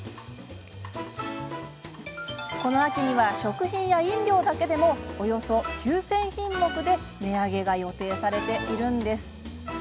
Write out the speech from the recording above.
この秋には、食品や飲料だけでもおよそ９０００品目で値上げが予定されているんです。